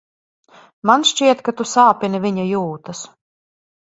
Man šķiet, ka tu sāpini viņa jūtas.